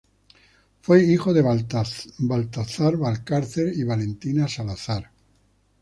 Fue hijo de Baltazar Valcárcel y Valentina Salazar.